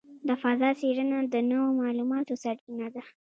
د فضاء څېړنه د نوو معلوماتو سرچینه ده.